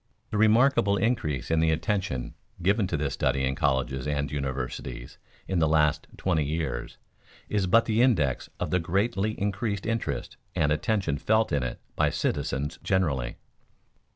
The remarkable increase in the attention given to this study in colleges and universities in the last twenty years is but the index of the greatly increased interest and attention felt in it by citizens generally.